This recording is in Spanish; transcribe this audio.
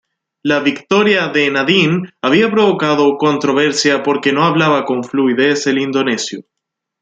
La victoria de Nadine había provocado controversia porque no hablaba con fluidez el indonesio.